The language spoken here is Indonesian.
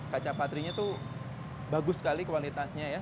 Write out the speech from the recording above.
kaca patri itu bagus sekali kualitasnya ya